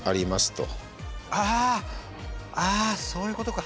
あー、そういうことか。